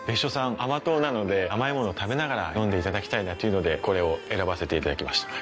甘党なので甘いものを食べながら飲んでいただきたいというのでこれを選ばせていただきました。